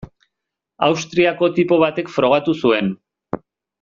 Austriako tipo batek frogatu zuen.